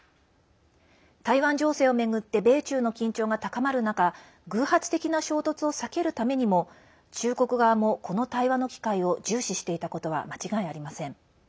台湾情勢を巡って米中の緊張が高まる中偶発的な衝突を避けるためにも中国側も、この対話の機会を重視していたことは間違いありません。